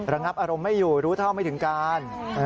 ระงับอารมณ์ไม่อยู่รู้เท่าไม่ถึงการ